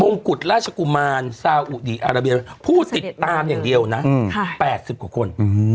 กุฎราชกุมารซาอุดีอาราเบียผู้ติดตามอย่างเดียวนะ๘๐กว่าคน